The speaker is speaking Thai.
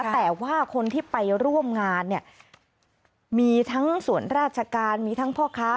แต่ว่าคนที่ไปร่วมงานเนี่ยมีทั้งส่วนราชการมีทั้งพ่อค้า